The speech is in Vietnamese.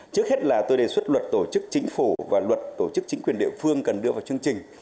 trước hết là tôi đề xuất luật tổ chức chính phủ và luật tổ chức chính quyền địa phương cần đưa vào chương trình